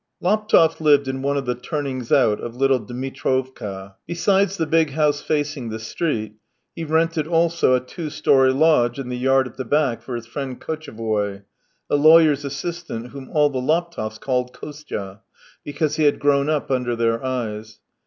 IX Laptev lived in one of the turnings out of Little Dmitrovka. Besides the big house facing the street, he rented also a two storey lodge in the yard at the back for his friend Kotchevoy, a lawyer's assistant whom all the Laptevs called Kostya, because he had grown up under their eyes.